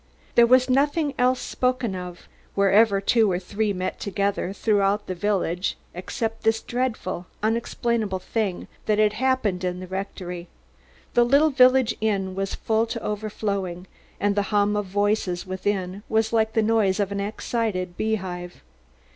There was nothing else spoken of wherever two or three met together throughout the village except this dreadful, unexplainable thing that had happened in the rectory. The little village inn was full to overflowing and the hum of voices within was like the noise of an excited beehive.